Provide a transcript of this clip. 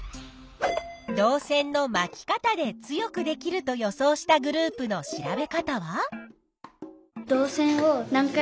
導線の「まき方」で強くできると予想したグループの調べ方は？